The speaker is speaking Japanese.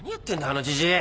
あのじじい！